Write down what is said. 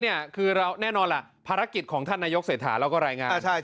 แน่นอนล่ะภาระกิจคุณท่านนายกเสฐาเราก็รายงาน